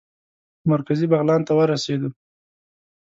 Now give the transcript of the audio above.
مرکزي بغلان ته ورسېدو.